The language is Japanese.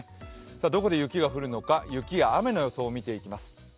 どこで雪が降るのか雪や雨の予想を見ていきます。